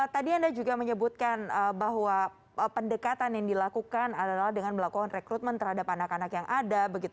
tadi anda juga menyebutkan bahwa pendekatan yang dilakukan adalah dengan melakukan rekrutmen terhadap anak anak yang ada